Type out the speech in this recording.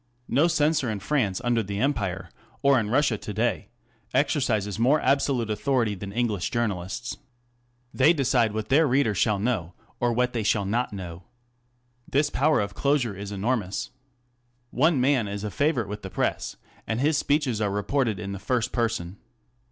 No censor in France under the Empire, or in Russia to day, exercises more absolute authority than English journal ists. They decide what their readers shall know, or what they shall not know. This power of closure is enormous. One man is a favourite with the press, and his speeches are reported in the first person.